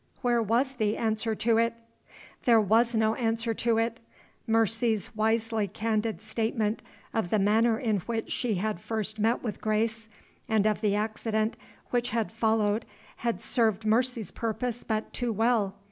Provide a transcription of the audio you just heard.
Where was the answer to it? There was no answer to it. Mercy's wisely candid statement of the manner in which she had first met with Grace, and of the accident which had followed had served Mercy's purpose but too well.